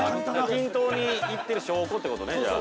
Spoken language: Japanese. ◆均等に行っている証拠ってことね、じゃあ、。